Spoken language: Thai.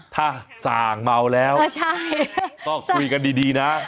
ถ้าส่างเมาแล้วก็คุยกันดีนะ